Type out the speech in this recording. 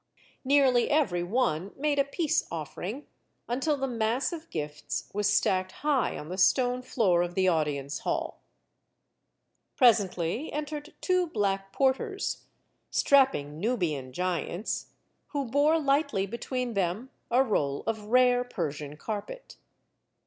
Nearly every one made a peace offering, until the mass of gifts was stacked high on the stone floor of the audience hall. Presently entered two black porters, (strapping Nubian giants) , who bore lightly between them a roll of rare Persian carpet.